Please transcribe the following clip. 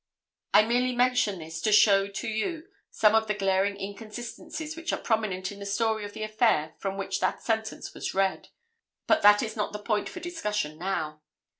I merely mention this to show to you some of the glaring inconsistencies which are prominent in the story of the affair from which that sentence was read. But that is not the point for discussion now.